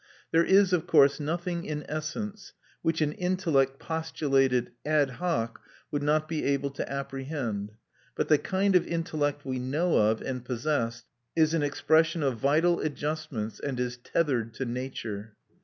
There is of course nothing in essence which an intellect postulated ad hoc would not be able to apprehend; but the kind of intellect we know of and possess is an expression of vital adjustments, and is tethered to nature.